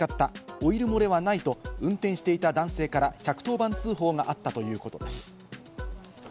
オイル漏れはないと運転していた男性から１１０番通報があったということです。